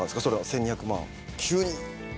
１，２００万急に。